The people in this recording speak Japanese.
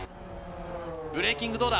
ブレーキングどうだ。